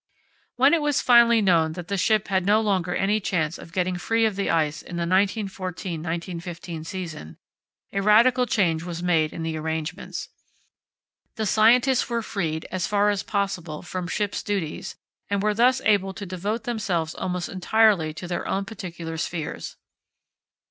When it was finally known that the ship had no longer any chance of getting free of the ice in the 1914–1915 season, a radical change was made in the arrangements. The scientists were freed, as far as possible, from ship's duties, and were thus able to devote themselves almost entirely to their own particular spheres.